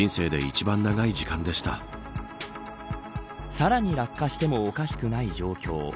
さらに落下してもおかしくない状況。